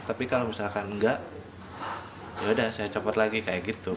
tapi kalau misalkan enggak yaudah saya copot lagi kayak gitu